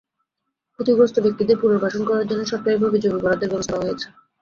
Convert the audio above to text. ক্ষতিগ্রস্ত ব্যক্তিদের পুনর্বাসন করার জন্য সরকারিভাবে জমি বরাদ্দের ব্যবস্থা করা হচ্ছে।